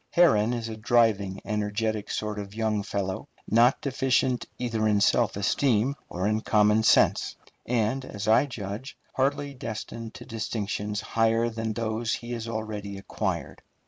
Herron is a driving, energetic sort of young fellow, not deficient either in self esteem or in common sense, and, as I judge, hardly destined to distinctions higher than those he has already acquired.